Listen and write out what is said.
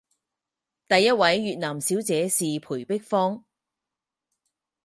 第一位越南小姐是裴碧芳。